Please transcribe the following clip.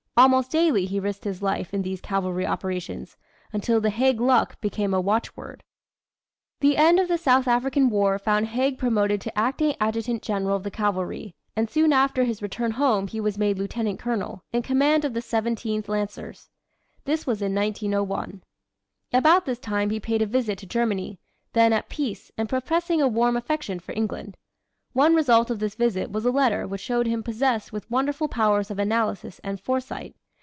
Almost daily he risked his life in these cavalry operations until the "Haig luck" became a watchword. The end of the South African War found Haig promoted to acting Adjutant General of the Cavalry, and soon after his return home he was made Lieutenant Colonel, in command of the Seventeenth Lancers. This was in 1901. About this time he paid a visit to Germany, then at peace and professing a warm affection for England. One result of this visit was a letter which showed him possessed with wonderful powers of analysis and foresight.